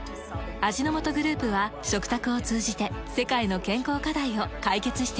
味の素グループは食卓を通じて世界の健康課題を解決していきます。